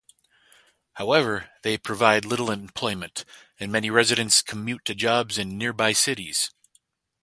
However, they provide little employment, and many residents commute to jobs in nearby cities.